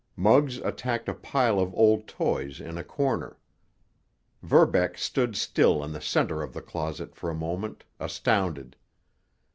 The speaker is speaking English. Muggs attacked a pile of old toys in a corner. Verbeck stood still in the center of the closet for a moment, astounded.